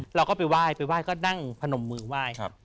เราก็ไปไหว้ไปไหว้ก็นั่งพนมมือไหว้